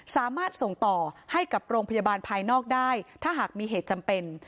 สามารถส่งต่อให้กับโรงพยาบาลภายนอกได้ถ้าหากมีเหตุจำเป็น